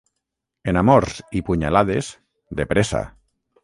En amors i punyalades, de pressa.